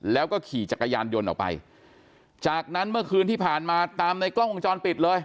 แล้วก็ขี่จักรยานยนต์ออกไปจากนั้นเมื่อคืนที่ผ่านมาตามในกล้องวงจรปิดเลย